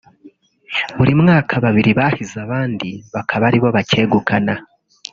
Buri mwaka babiri bahize abandi bakaba ari bo bacyegukana